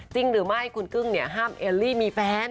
จริงหรือไม่คุณกึ้งเนี่ยห้ามเอลลี่มีแฟน